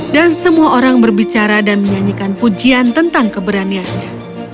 dan semua orang berbicara dan menyanyikan pujian tentang keberaniannya